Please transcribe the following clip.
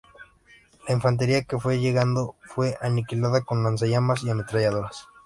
La infantería que fue llegando fue aniquilada con lanzallamas y ametralladoras.